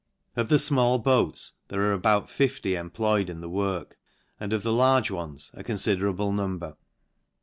Of the fmall boats there are about fifty employed in the work, and of the large ones a confiderabie number.